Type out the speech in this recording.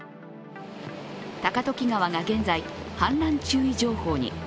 高時川が現在、氾濫注意情報に。